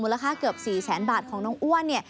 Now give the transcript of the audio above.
มูลค่าเกือบ๔แสนบาทของน้องอ้วน